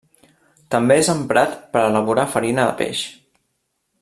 També és emprat per a elaborar farina de peix.